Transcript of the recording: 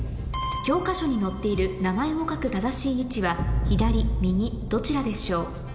教科書に載っている名前を書く正しい位置は左右どちらでしょう？